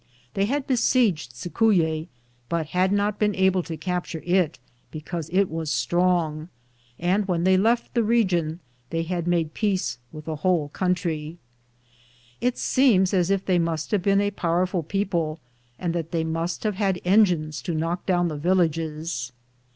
They had be sieged Cicuye but had not been able to cap ture it, because it was strong, and when they left the region, they had made peace with the whole country. It seems as if they must have been a powerful people, and that they must have had engines to knock down the villages.